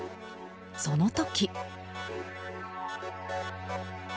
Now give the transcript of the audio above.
その時。